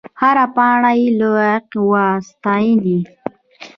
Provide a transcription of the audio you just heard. هره پاڼه یې لایق وه د ستاینې.